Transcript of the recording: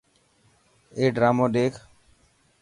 اي ڊرامون ڏيک.